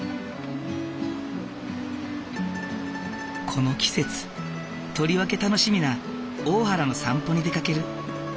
この季節とりわけ楽しみな大原の散歩に出かける。